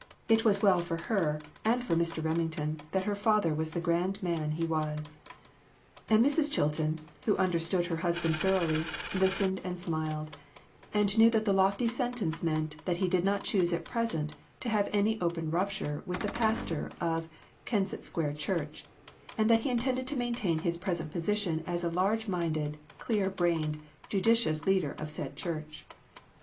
It was well for her^ and for Mr. Remington, that her father was the grand man he was. And Mrs. Chilton, who understood her husband thoroughly, listened and smiled, and knew that the lofty sentence meant that he did not choose at present to have any open rupture with the pas tor of Kensett Square Church, and that he intended to maintain his present position as a large minded, clear brained, judicious leader of said church.